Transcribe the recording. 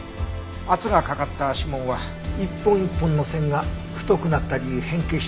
圧がかかった指紋は一本一本の線が太くなったり変形したりする。